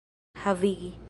havigi